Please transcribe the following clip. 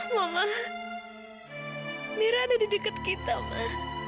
mama mira ada di dekat kita mah